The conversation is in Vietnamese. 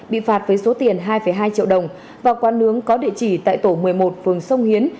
bị phạt với số tiền hai hai triệu đồng vào quán nướng có địa chỉ tại tổ một mươi một phường sông hiến